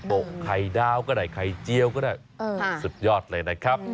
กไข่ดาวก็ได้ไข่เจียวก็ได้สุดยอดเลยนะครับ